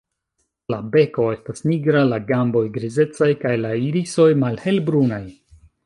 La beko estas nigra, la gamboj grizecaj kaj la irisoj malhelbrunaj.